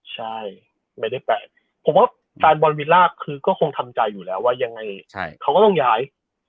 ใช่ไม่ได้แปลกผมว่าแฟนบอลวิลล่าคือก็คงทำใจอยู่แล้วว่ายังไงเขาก็ต้องย้าย